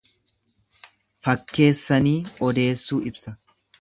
Fakkeessanii odeessuu ibsa.